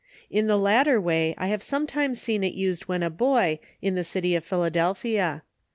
In the lat ter way, I have sometimes seen it used when a boy, in the city of Philadelphia.